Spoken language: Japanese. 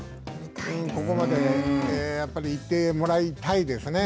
ここまでやっぱり行ってもらいたいですね。